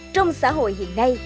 trong xã hội hiện nay